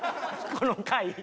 この回。